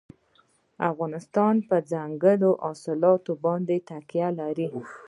افغانستان په دځنګل حاصلات باندې تکیه لري.